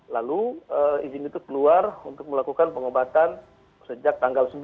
lalu izin itu keluar untuk melakukan pengobatan sejak tanggal sembilan